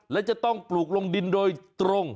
และจะต้องปลูกลงดินโดยตรง